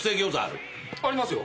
ありますよ。